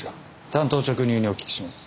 単刀直入にお聞きします。